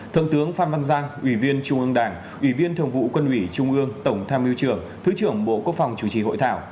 thượng tướng phan văn giang ủy viên trung ương đảng ủy viên thường vụ quân ủy trung ương tổng tham mưu trưởng thứ trưởng bộ quốc phòng chủ trì hội thảo